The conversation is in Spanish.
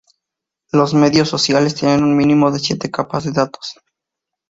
Los medios sociales tienen un mínimo de siete capas de datos.